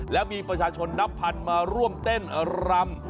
และมีประชาชนนับพันมาร่วมเต้นรำ